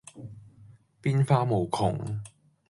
變化無窮